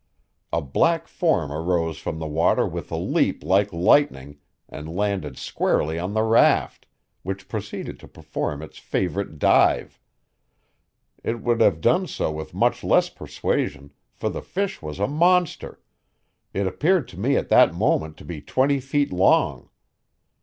A black form arose from the water with a leap like lightning and landed squarely on the raft, which proceeded to perform its favorite dive. It would have done so with much less persuasion, for the fish was a monster it appeared to me at that moment to be twenty feet long.